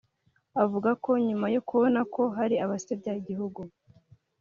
Avuga ko nyuma yo kubona ko hari abasebya igihugu